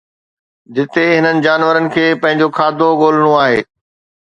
جتي هنن جانورن کي پنهنجو کاڌو ڳولڻو آهي